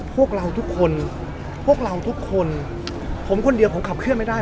พวกเราทุกคนพวกเราทุกคนผมคนเดียวผมขับเคลื่อนไม่ได้